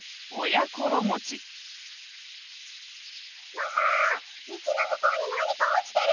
ママみちのむこうになにかおちてる。